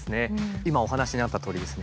今お話にあったとおりですね